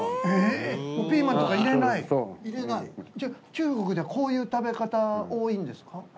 中国ではこういう食べ方多いんですか？